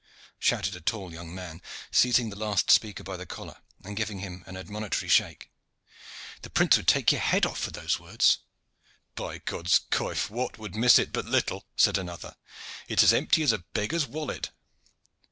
shouted a tall young man, seizing the last speaker by the collar and giving him an admonitory shake. "The prince would take your head off for those words." "By God's coif! Wat would miss it but little," said another. "It is as empty as a beggar's wallet."